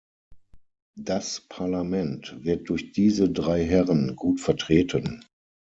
Das Parlament wird durch diese drei Herren gut vertreten.